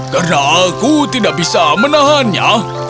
karena aku tidak bisa menahannya